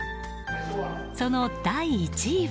その第１位は。